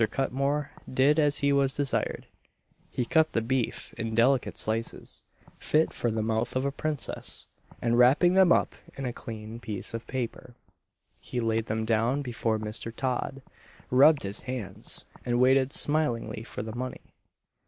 Cutmore did as he was desired he cut the beef in delicate slices, fit for the mouth of a princess, and wrapping them up in a clean piece of paper, he laid them down before Mr. Todd, rubbed his hands, and waited smilingly for the money.